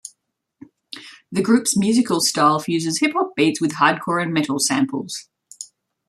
The group's musical style fuses hip hop beats with hardcore and metal samples.